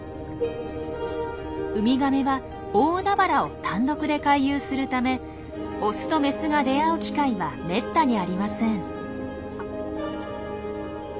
ウミガメは大海原を単独で回遊するためオスとメスが出会う機会はめったにありません。